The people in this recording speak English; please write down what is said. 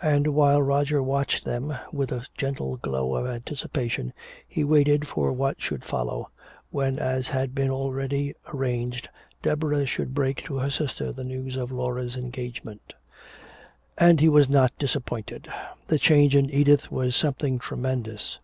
And while Roger watched them, with a gentle glow of anticipation he waited for what should follow, when as had been already arranged Deborah should break to her sister the news of Laura's engagement. And he was not disappointed. The change in Edith was something tremendous.